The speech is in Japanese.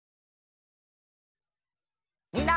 みんな。